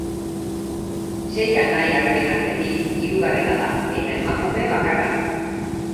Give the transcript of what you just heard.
Sei anai-arreben artetik hirugarrena da eta emakume bakarra.